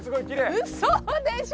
ウソでしょ？